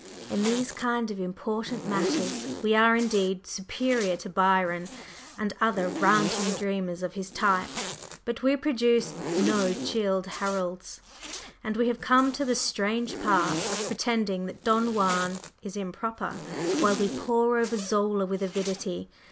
In these kind of important matters we are indeed "superior" to Byron and other ranting dreamers of his type, but we produce no Childe Harolds, and we have come to the strange pass of pretending that Don Juan is improper, while we pore over Zola with avidity!